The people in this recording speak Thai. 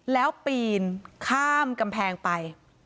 แล้วปีนข้ามกำแพงไป